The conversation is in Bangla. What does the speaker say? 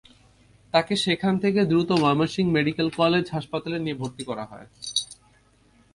তাঁকে সেখান থেকে দ্রুত ময়মনসিংহ মেডিকেল কলেজ হাসপাতালে নিয়ে ভর্তি করা হয়।